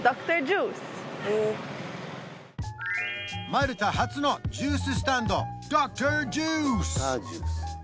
マルタ発のジューススタンドドクタージュース